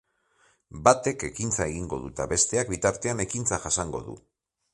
Batek ekintza egingo du eta besteak, bitartean, ekintza jasango du.